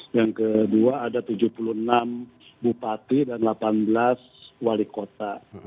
yang kedua ada tujuh puluh enam bupati dan delapan belas wali kota